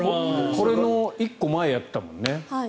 これの１個前をやっていたもんね。